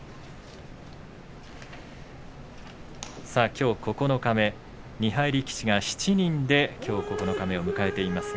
きょう九日目２敗力士７人で九日目を迎えています。